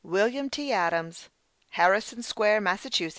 WILLIAM T. ADAMS. HARRISON SQUARE, MASS.